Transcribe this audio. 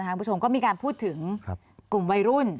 คุณผู้ชมก็มีการพูดถึงกลุ่มวัยรุ่น